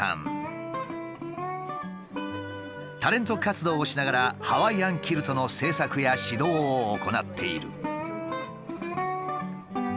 タレント活動をしながらハワイアンキルトの制作や指導を行っている。